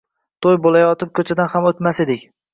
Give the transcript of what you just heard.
Toʻy boʻlayotgan koʻchadan ham oʻtmasdik.